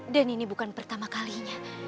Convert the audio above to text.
dan ini bukan pertama kalinya